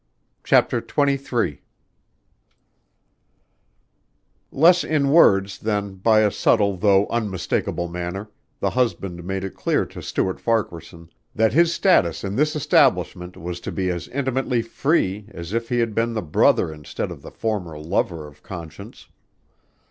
CHAPTER XXIII Less in words than by a subtle though unmistakable manner, the husband made it clear to Stuart Farquaharson that his status in this establishment was to be as intimately free as if he had been the brother instead of the former lover of Conscience.